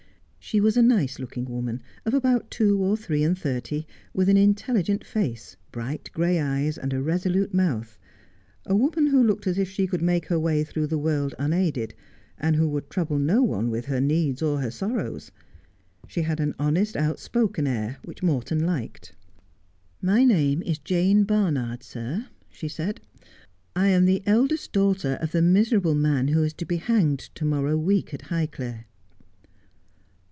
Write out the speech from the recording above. She was a nice looking woman, of about two or three and thirty, with an intelligent face, bright gray eyes, and a resolute mouth — a woman who looked as if she could make her waj through the world unaided, and would trouble no one with her needs or her sorrows. She had an honest, outspoken air which Morton liked. 88 Just as I Am. ' My name is Jane Barnard, sir,' said she. ' I am the eldest daughter of the miserable man who is to be hanged to morrow week at Highclere.'